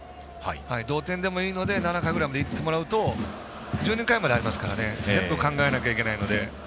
同点でもいいので７回ぐらいまでいってもらうと１２回までありますから全部、考えないといけないので。